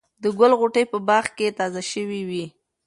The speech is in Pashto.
د ګل غوټۍ په باغ کې تازه شوې وې.